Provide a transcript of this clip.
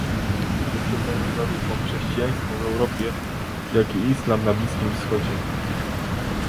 Poprzedzają zarówno chrześcijaństwo w Europie, jak i islam na Bliskim Wschodzie